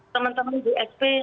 teman teman di sp